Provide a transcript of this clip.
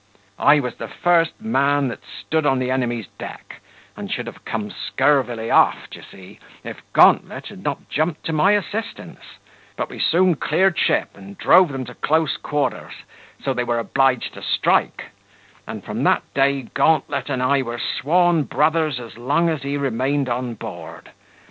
I was the first man that stood on the enemy's deck, and should have come scurvily off, d'ye see, if Guntlet had not jumped to my assistance; but we soon cleared ship, and drove them to close quarters, so that they were obliged to strike; and from that day Guntlet and I were sworn brothers as long as he remained on board.